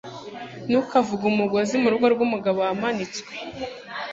Ntukavuge umugozi murugo rwumugabo wamanitswe.